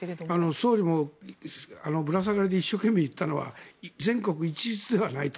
総理もぶら下がりで一生懸命言ったのは全国一律ではないと。